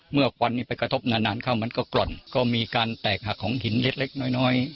ควันนี้ไปกระทบนานเข้ามันก็กร่อนก็มีการแตกหักของหินเล็กน้อย